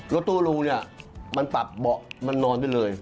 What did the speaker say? แล้วตู้รูนี่มันปับเบาะมันนอนไปเลย